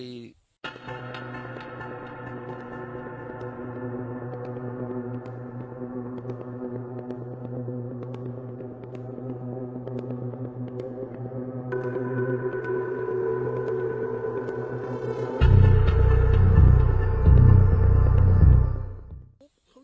ทุกวันทุกวัน